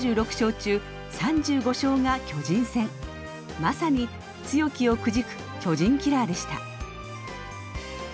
まさに強きをくじく巨人キラーでした。